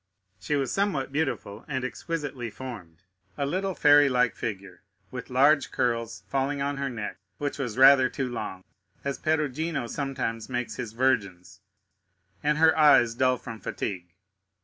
She was somewhat beautiful, and exquisitely formed—a little fairy like figure, with large curls falling on her neck, which was rather too long, as Perugino sometimes makes his Virgins, and her eyes dull from fatigue.